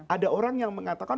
ada orang yang mengatakan